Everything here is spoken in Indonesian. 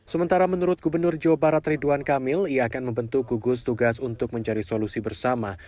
sementara menurut gubernur jawa barat ridwan kamil ia akan membentuk gugus tugas untuk mencari solusi bersama